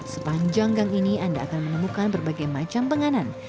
sepanjang gang ini anda akan menemukan berbagai macam penganan